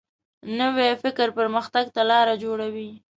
نوی فکر پرمختګ ته لاره جوړوي